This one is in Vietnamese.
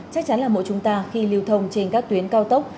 chắc chắn là mỗi chúng ta khi lưu thông trên các tuyến cao tốc